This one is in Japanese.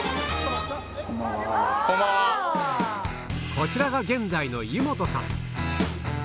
こちらが現在の湯本さん